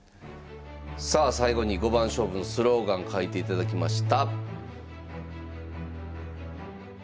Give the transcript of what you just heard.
さあ最後に五番勝負のスローガン書いていただきました。